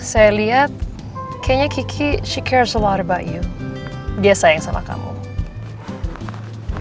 saya lihat kayaknya kiki she cares a lot about you dia sayang sama kamu iya bu jangan lupa nih kadonya